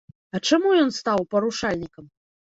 А чаму ён стаў парушальнікам?